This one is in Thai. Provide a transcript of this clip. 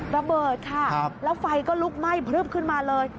ระเบิดค่ะแล้วไฟก็ลุกไหม้พลึบขึ้นมาเลย